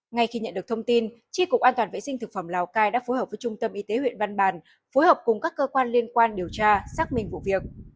ngay khi nhận được thông tin tri cục an toàn vệ sinh thực phẩm lào cai đã phối hợp với trung tâm y tế huyện văn bàn phối hợp cùng các cơ quan liên quan điều tra xác minh vụ việc